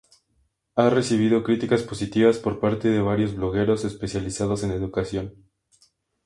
Ha recibido críticas positivas por parte de varios blogueros especializados en educación.